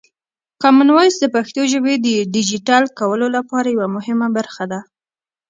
کامن وایس د پښتو ژبې د ډیجیټل کولو لپاره یوه مهمه برخه ده.